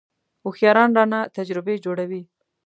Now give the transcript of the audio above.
هوښیاران رانه تجربې جوړوي .